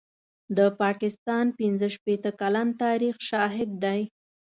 د پاکستان پنځه شپېته کلن تاریخ شاهد دی.